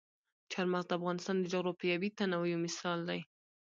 چار مغز د افغانستان د جغرافیوي تنوع یو مثال دی.